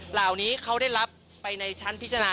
เหล่านี้เขาได้รับไปในชั้นพิจารณา